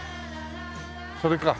それか。